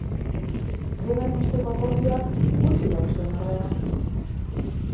Grebaren osteko akordioak gutxi iraun zuen, ordea.